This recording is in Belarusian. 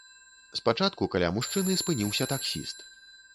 Спачатку каля мужчыны спыніўся таксіст.